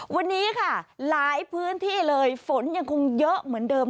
วันนี้ค่ะหลายพื้นที่เลยฝนยังคงเยอะเหมือนเดิม